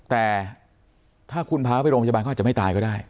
แต่ถ้าคุณพาไปโรงพยาบาลเขาอาจจะไม่ตายก็ได้